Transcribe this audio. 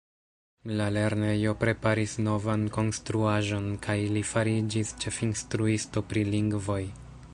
La lernejo preparis novan konstruaĵon kaj li fariĝis ĉefinstruisto pri lingvoj.